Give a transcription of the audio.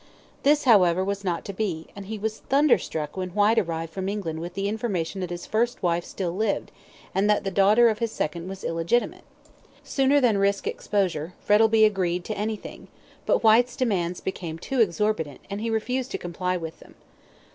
This, however, was not to be, and he was thunderstruck when Whyte arrived from England with the information that his first wife still lived, and that the daughter of his second was illegitimate. Sooner than risk exposure, Frettlby agreed to anything; but Whyte's demands became too exorbitant, and he refused to comply with them.